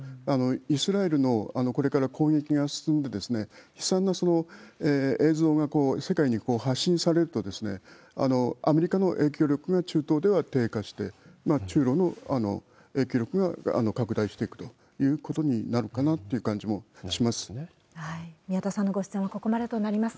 イスラエルのこれから攻撃が進んで、悲惨な映像が世界に発信されると、アメリカの影響力が中東では低下して、中ロの影響力が拡大していくということになるかなという感じもし宮田さんのご出演はここまでとなります。